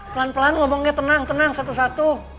pelan pelan ngomongnya tenang tenang satu satu